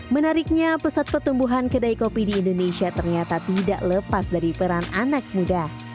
menariknya pesat pertumbuhan kedai kopi di indonesia ternyata tidak lepas dari peran anak muda